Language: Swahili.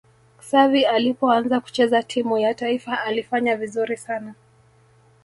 xavi alipoanza kucheza timu ya taifa alifanya vizuri sana